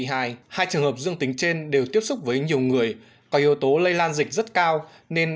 hai trường hợp dương tính trên đều tiếp xúc với nhiều người có yếu tố lây lan dịch rất cao nên